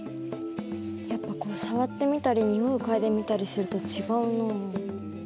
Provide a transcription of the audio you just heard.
やっぱこう触ってみたり匂いを嗅いでみたりすると違うなあ。